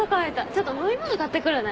ちょっと飲み物買ってくるね。